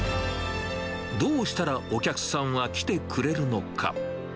どうしたらお客さんは来てくれるのか。